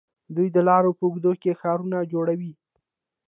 دوی د لارو په اوږدو کې ښارونه جوړوي.